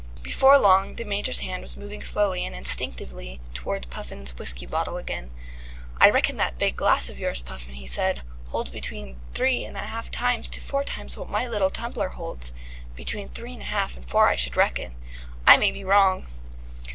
Before long the Major's hand was moving slowly and instinctively towards Puffin's whisky bottle again. "I reckon that big glass of yours, Puffin," he said, "holds between three and a half times to four times what my little tumbler holds. Between three and a half and four I should reckon. I may be wrong."